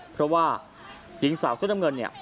เพราะว่าหญิงสาวเสื้อน้ำเงินเนี่ย